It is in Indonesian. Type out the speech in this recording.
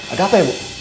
ada apa ya bu